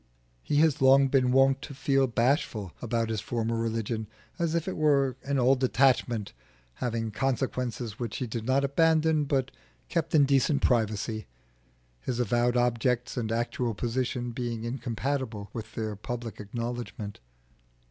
He has long been wont to feel bashful about his former religion; as if it were an old attachment having consequences which he did not abandon but kept in decent privacy, his avowed objects and actual position being incompatible with their public acknowledgment.